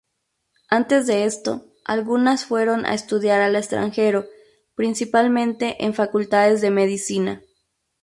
Antes de esto, algunas fueron a estudiar al extranjero, principalmente en facultades de Medicina.